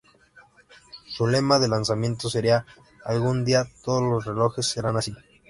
Su lema de lanzamiento sería "Algún día, todos los relojes serán así".